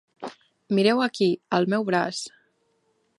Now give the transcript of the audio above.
Mireu aquí, al meu braç!